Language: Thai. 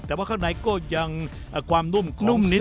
แต่ว่าข้างในก็ยังความนุ่มของเส้นอีก